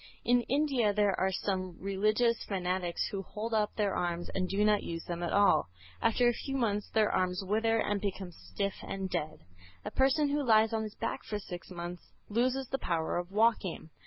In India there are some religious fanatics who hold up their arms and do not use them at all; after a few months their arms wither and become stiff and dead. A person who lies on his back for six months loses the power of walking.